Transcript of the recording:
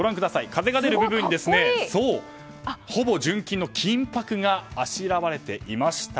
風が出る部分にほぼ純金の金箔があしらわれていました。